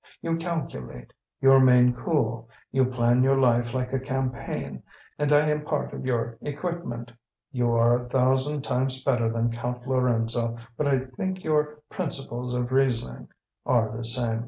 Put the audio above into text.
You calculate, you remain cool, you plan your life like a campaign, and I am part of your equipment. You are a thousand times better than Count Lorenzo, but I think your principles of reasoning are the same.